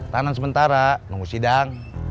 tahanan sementara nunggu sidang